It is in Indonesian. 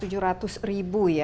household yang harus dipenuhi